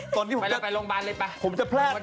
เป็นผู้ชายที่แบบว่าแสดงออกแล้วแบบ